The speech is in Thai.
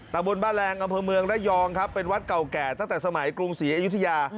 ตะบนบ้านแรงอำเภอเมืองระยองครับเป็นวัดเก่าแก่ตั้งแต่สมัยกรุงศรีอยุธยา